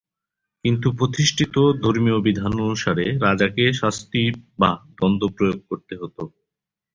কিন্তু প্রতিষ্ঠিত ধর্মীয় বিধান অনুসারে রাজাকে শাস্তি বা দন্ড প্রয়োগ করতে হতো।